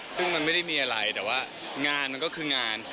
ซึ่งมันไม่ได้มีอะไรแต่ว่างานมันก็คืองาน